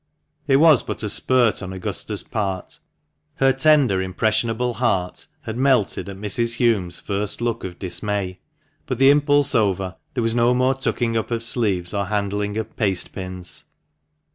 It was but a spurt on Augusta's part ; her tender im pressionable heart had melted at Mrs. Hulme's first look of dismay, but, the impulse over, there was no more tucking up of sleeves or handling of paste pins.